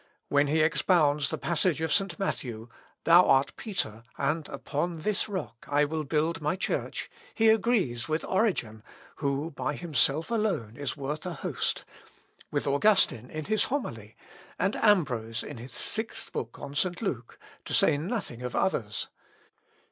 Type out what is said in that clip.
When he expounds the passage of St. Matthew, "Thou art Peter, and upon this rock I will build my Church," he agrees with Origen, who by himself alone is worth a host; with Augustine in his homily, and Ambrose in his sixth book on St. Luke, to say nothing of others.